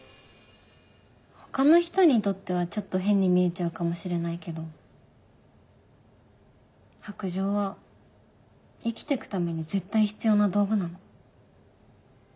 他の人にとってはちょっと変に見えちゃうかもしれないけど白杖は生きてくために絶対必要な道具なの。